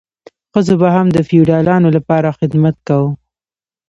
ښځو به هم د فیوډالانو لپاره خدمت کاوه.